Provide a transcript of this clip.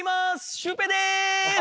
シュウペイです！